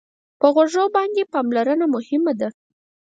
په غوږو باندې پاملرنه مهمه ده.